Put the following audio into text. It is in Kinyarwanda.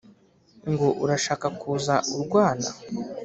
Ngo urashaka kuza urwana